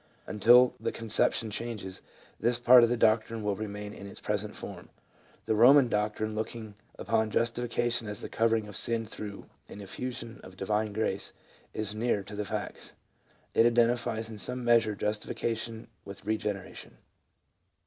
Until the conception changes, this part of the doctrine will remain in its present form. The Eoman doctrine looking upon justification as the covering of sin through an infusion of divine grace, is nearer to the facts. It identifies in some measure justification with regeneration.